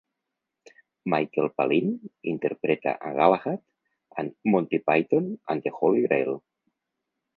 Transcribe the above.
Michael Palin interpreta a Galahad en "Monty Python and The Holy Grail"